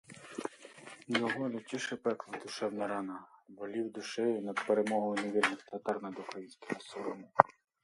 Його лютіше пекла душевна рана, болів душею над перемогою невірних татар над українськими силами.